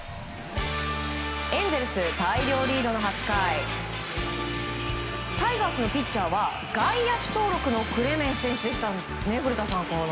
エンゼルス大量リードの８回タイガースのピッチャーは外野手登録のクレメンス選手でしたね古田さん。